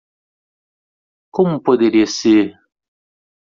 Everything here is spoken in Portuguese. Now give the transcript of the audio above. Como poderia ser?